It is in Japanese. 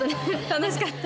楽しかった。